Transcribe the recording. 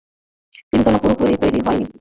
তিনতলা পুরোপুরি তৈরি হয় নি।